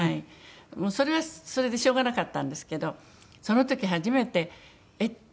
それはそれでしょうがなかったんですけどその時初めてえっ？って。